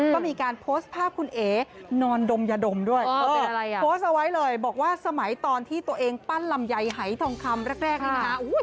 ก็มีการโพสต์ภาพคุณเอ๋นอนดมยาดมด้วยโพสต์เอาไว้เลยบอกว่าสมัยตอนที่ตัวเองปั้นลำไยหายทองคำแรกนี้นะคะ